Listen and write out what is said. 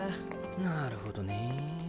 なるほどね。